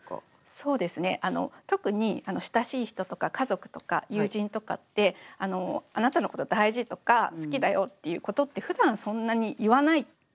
そうですね特に親しい人とか家族とか友人とかってあなたのこと大事とか好きだよって言うことってふだんそんなに言わないと思うんですよね。